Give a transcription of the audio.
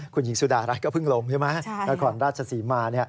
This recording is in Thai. คุณหญิงสุดารัฐก็เพิ่งลงใช่ไหมนครราชศรีมา